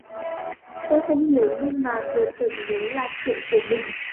Tôi không hiểu Nhưng mà vừa chợt nhớ là cái chuyện của mình